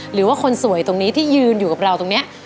หรือว่าคนสวยตรงนี้ที่ยืนอยู่กับเราตรงนี้